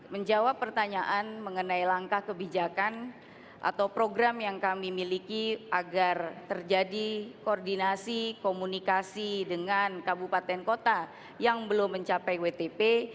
menjawab pertanyaan mengenai langkah kebijakan atau program yang kami miliki agar terjadi koordinasi komunikasi dengan kabupaten kota yang belum mencapai wtp